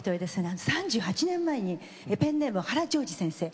３８年前にペンネーム原譲二さん